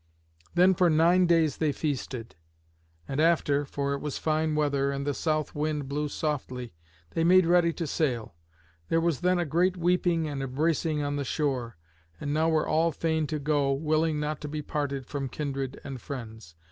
Then for nine days they feasted; and after, for it was fine weather, and the south wind blew softly, they made ready to sail. There was then a great weeping and embracing on the shore; and now were all fain to go, willing not to be parted from kindred and friends.